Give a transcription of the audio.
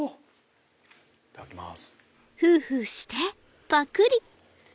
いただきます。